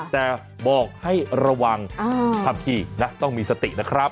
แต่บอกให้ระวังขับขี่นะต้องมีสตินะครับ